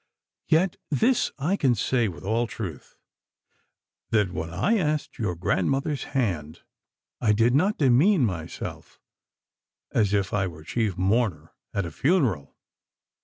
Yet this I can say with all truth, that when I asked your grandmother's hand I did not demean myself as if I were chief mourner at a funeral.